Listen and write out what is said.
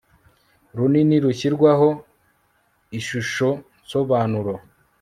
runini rushyirwaho ishushonsobanuro